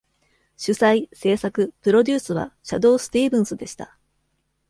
主催、制作、プロデュースはシャドウ・スティーブンスでした。